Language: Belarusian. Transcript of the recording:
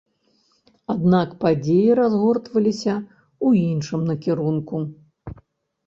Аднак падзеі разгортваліся ў іншым накірунку.